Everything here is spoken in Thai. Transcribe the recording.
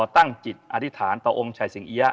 ตั้งจิตอธิษฐานต่อองค์ชายสิงเอี๊ยะ